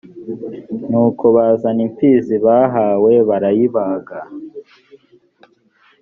nuko bazana impfizi bahawe barayibaga